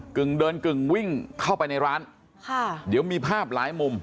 กึ่งเดินกึ่งวิ่งเข้าไปในร้านค่ะเดี๋ยวมีภาพหลายมุม